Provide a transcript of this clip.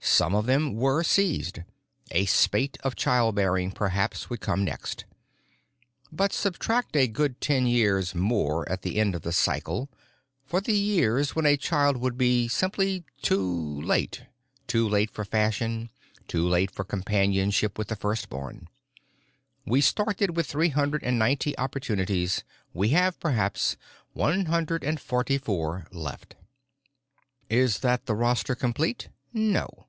Some of them were seized: a spate of childbearing perhaps would come next. But subtract a good ten years more at the end of the cycle, for the years when a child would be simply too, late—too late for fashion, too late for companionship with the first born. We started with three hundred and ninety opportunities. We have, perhaps, one hundred and forty four left. "Is that the roster complete? No.